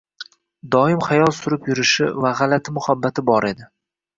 Doim xayol surib yurishi va gʻalati muhabbati bor edi